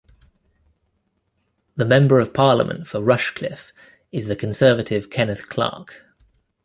The member of parliament for Rushcliffe is the Conservative, Kenneth Clarke.